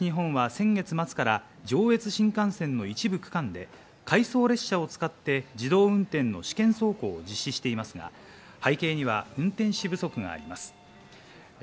ＪＲ東日本は先月末から上越新幹線の一部区間で回送列車を使って自動運転の試験走行を実施していますが、背景には運転士不足があります。